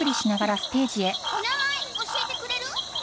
お名前教えてくれる？